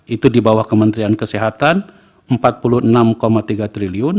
itu di bawah kementerian kesehatan rp empat puluh enam tiga triliun